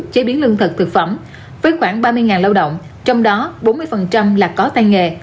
chế biến lương thực thực phẩm với khoảng ba mươi lao động trong đó bốn mươi là có tay nghề